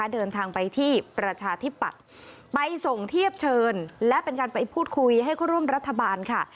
เดินทางไปที่ประชาธิปัตย์ไปส่งเทียบเชิญและเป็นการไปพูดคุยให้เขาร่วมรัฐบาลค่ะ